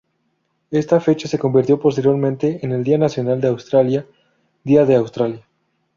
Esta fecha se convirtió posteriormente en el día nacional de Australia, Día de Australia.